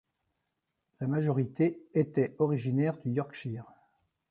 La majorité étaient originaires du Yorkshire.